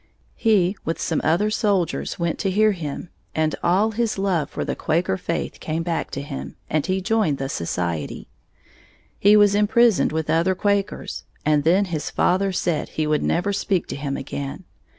He, with some other soldiers, went to hear him, and all his love for the Quaker faith came back to him, and he joined the society. He was imprisoned with other Quakers, and then his father said he would never speak to him again.